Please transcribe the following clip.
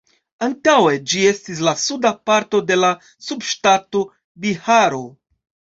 Antaŭe, ĝi estis la suda parto de la subŝtato Biharo.